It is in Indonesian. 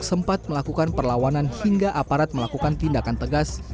sempat melakukan perlawanan hingga aparat melakukan tindakan tegas